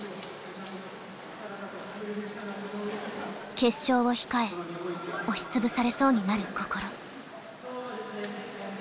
決勝を控え押しつぶされそうになる心。